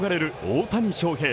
大谷翔平